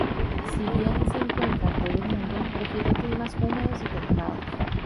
Si bien se encuentra en todo el mundo, prefiere climas húmedos y templados.